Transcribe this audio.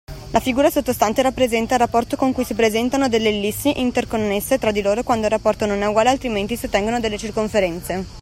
La figura sottostante rappresenta il rapporto con cui si presentano delle ellissi interconnesse tra di loro quando il rapporto non è uguale altrimenti si ottengono delle circonferenze.